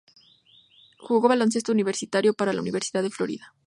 Jugó baloncesto universitario para la Universidad de Florida.